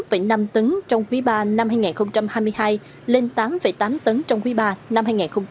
với cùng kỳ từ tám năm tấn trong quý iii năm hai nghìn hai mươi hai lên tám tám tấn trong quý iii năm hai nghìn hai mươi ba